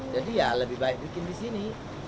jadi ya lebih baik bikin di sini